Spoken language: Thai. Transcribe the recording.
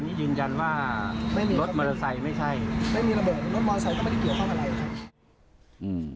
ไม่มีระเบิดรถมอเตอร์ไซค์ก็ไม่ได้เกี่ยวข้างในอะไร